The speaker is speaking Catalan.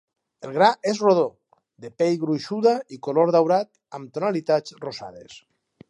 El gra és rodó, de pell gruixuda i color daurat amb tonalitats rosades.